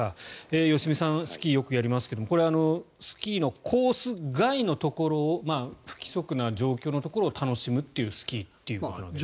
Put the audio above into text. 良純さん、スキーをよくやりますがこれはスキーのコース外のところ不規則な状況のところを楽しむというスキーということなんですね。